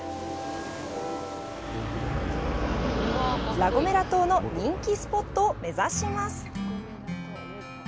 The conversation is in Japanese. ラ・ゴメラ島の人気スポットを目指します。